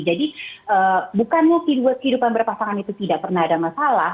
jadi bukanlah kehidupan berpasangan itu tidak pernah ada masalah